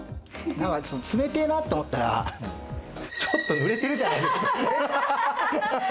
何か冷たいなと思ったら、ちょっと濡れてるじゃない！